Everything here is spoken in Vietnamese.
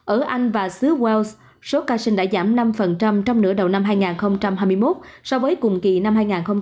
ở anh và xứ wells số ca sinh đã giảm năm trong nửa đầu năm hai nghìn hai mươi một so với cùng kỳ năm hai nghìn hai mươi hai